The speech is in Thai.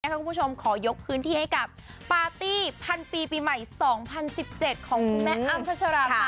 ทุกคนค่ะคุณผู้ชมขอยกคืนที่ให้กับปาร์ตี้พรรดีปีใหม่๒๐๑๗ของแม่อำคัชราค่ะ